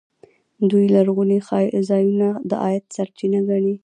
دوی لرغوني ځایونه د عاید سرچینه ګڼي.